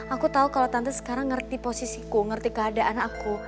aku tahu kalau tante sekarang ngerti posisiku ngerti keadaan aku